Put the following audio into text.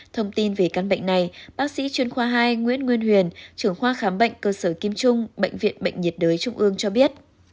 thông tin về căn bệnh này bác sĩ chuyên khoa hai nguyễn nguyên huyền trưởng khoa khám bệnh cơ sở kim trung bệnh viện bệnh nhiệt đới trung ương cho biết